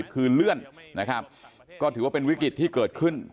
คือเลื่อนนะครับก็ถือว่าเป็นวิกฤตที่เกิดขึ้น